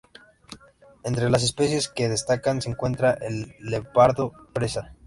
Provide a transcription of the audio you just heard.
Entre las especies que destacan se encuentra el leopardo persa.